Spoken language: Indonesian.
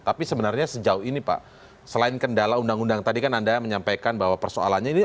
tapi sebenarnya sejauh ini pak selain kendala undang undang tadi kan anda menyampaikan bahwa persoalannya ini